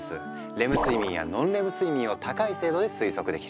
レム睡眠やノンレム睡眠を高い精度で推測できる。